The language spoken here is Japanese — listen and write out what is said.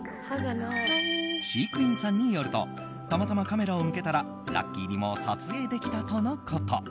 飼育員さんによるとたまたまカメラを向けたらラッキーにも撮影できたとのこと。